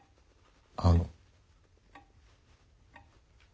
あの。